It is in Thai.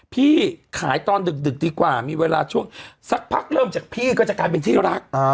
พี่ขายตอนดึกดีกว่ามีเวลาช่วงสักพักเริ่มจากพี่ก็จะกลายเป็นที่รัก